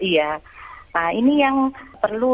nah ini yang perlu